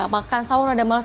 makan sahur ada males